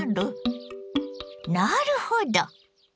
なるほど！